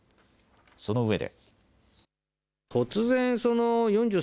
そのうえで。